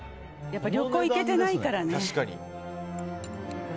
やっぱ旅行行けてないからね。